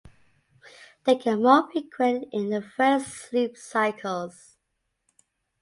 They are more frequent in the first sleep cycles.